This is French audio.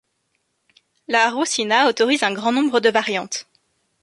La Arrucina autorise un grand nombre de variantes.